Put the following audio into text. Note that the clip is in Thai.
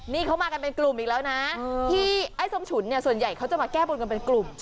นี่เขามากันเป็นกลุ่มอีกแล้วนะที่ไอ้ส้มฉุนเนี่ยส่วนใหญ่เขาจะมาแก้บนกันเป็นกลุ่ม